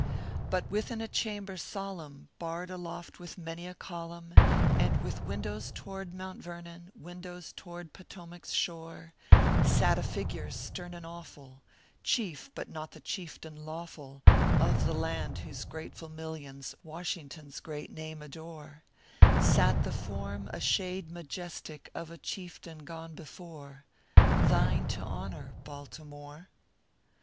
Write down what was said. But within a chamber solemn, barred aloft with many a column, And with windows tow rd Mount Yernon, windows tow rd Potomac s shore, Sat a figure, stern and awful ; Chief, but not the Chieftain lawful Of the land whose grateful millions "Washington s great name adore Sat the form a shade majestic of a Chieftain gone before, Thine to honor, Baltimore ! ORPHEUS C. KERR PAPERS.